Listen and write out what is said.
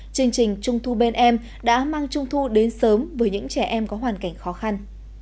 chương trình trung thu bên em đã mang trung thu đến sớm với những trẻ em có hoàn cảnh khó khăn